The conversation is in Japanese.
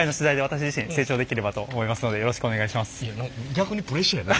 逆にプレッシャーやな。